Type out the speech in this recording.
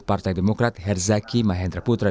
partai demokrat herzaki mahendra putra